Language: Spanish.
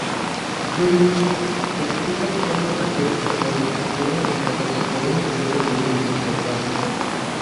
Rubin explica cómo los actos sexuales se ven afectados por un exceso de importancia.